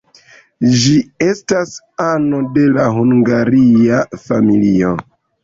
Ĝi estas ano de la Hungaria familio.